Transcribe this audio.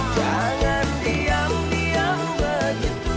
jangan diam diam begitu